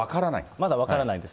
まだ分からないです。